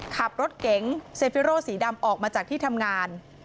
ขับรถเก๋งเซฟิโรสีดำออกมาจากที่ทำงาน